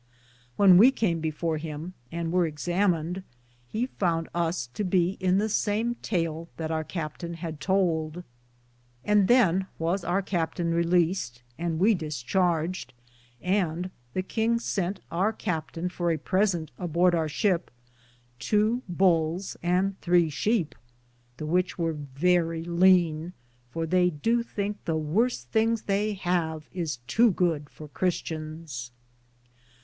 When we came before him, and wear examened, he found us to be in the same tale that our captaine had toulde ; and than was our captane Released and we discharged, and the kinge sente our captaine for a presente a borde our shipe tow buls and thre sheepe, the which weare verrie leane, for they do thinke the worste thinges they have is tow good for cristians.